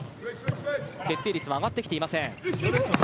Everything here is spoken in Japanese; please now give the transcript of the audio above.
決定率が上がってきていません。